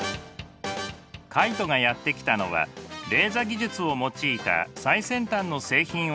カイトがやって来たのはレーザ技術を用いた最先端の製品を開発している会社です。